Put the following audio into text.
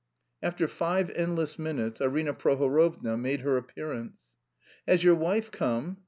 After five endless minutes, Arina Prohorovna made her appearance. "Has your wife come?"